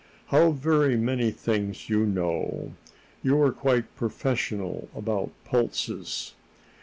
"How very many things you know! You are quite professional about pulses."